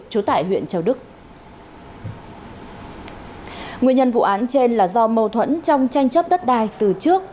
trú tại huyện châu đức nguyên nhân vụ án trên là do mâu thuẫn trong tranh chấp đất đai từ trước